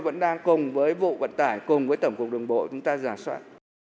chúng tôi vẫn đang cùng với vụ vận tải cùng với tổng cục đường bộ chúng ta giả soát